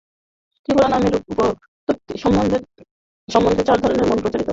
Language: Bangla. ত্রিপুরা নামের উৎপত্তি সম্বন্ধে চার ধরণের মত প্রচলিত আছে।